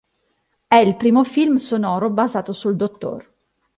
È il primo film sonoro basato sul dott.